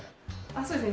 そうですね。